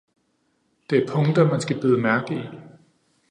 Det er punkter, man skal bide mærke i.